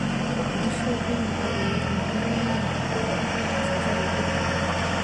杨氏瘿蚜为绵瘿蚜科榆瘿蚜属下的一个种。